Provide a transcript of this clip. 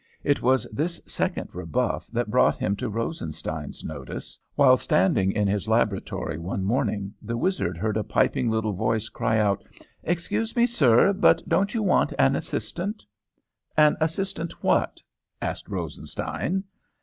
It was this second rebuff that brought him to Rosenstein's notice. While standing in his laboratory one morning the wizard heard a piping little voice cry out, 'Excuse me, sir, but don't you want an assistant?' "'An assistant what?' asked Rosenstein.